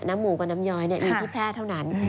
หมูกับน้ำย้อยอยู่ที่แพร่เท่านั้น